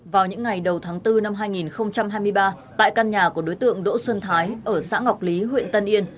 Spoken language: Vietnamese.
vào những ngày đầu tháng bốn năm hai nghìn hai mươi ba tại căn nhà của đối tượng đỗ xuân thái ở xã ngọc lý huyện tân yên